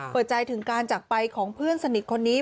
เปิดใจถึงการจักรไปของเพื่อนสนิทคนนี้